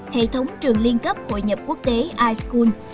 hệ thống trường liên cấp hội nhập quốc tế ischool